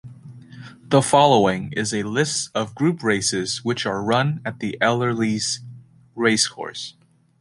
The following is a list of Group races which are run at Ellerslie Racecourse.